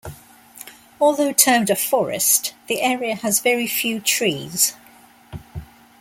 Although termed a "forest" the area has very few trees.